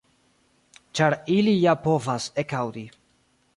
Ĉar ili ja povas ekaŭdi.